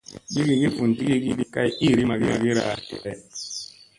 Bigigi vundigigi kay iiri magira ɗi lay.